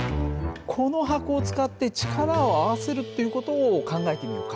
この箱を使って力を合わせるっていう事を考えてみようか。